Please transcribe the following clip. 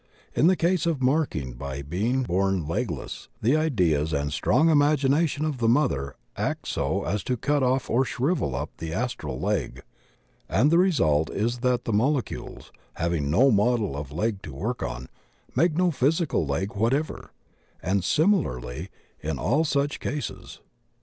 In the case of marking by being bom legless, the ideas and strong imagination of the mother act so as to cut off or shrivel up the astral leg, and the result is that the molecules, having no model of leg to work on, make no physical leg whatever; and similarly in all such cases.